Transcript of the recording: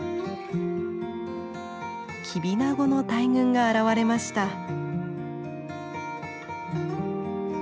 キビナゴの大群が現れました。